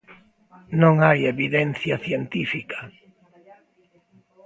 Non hai evidencia científica.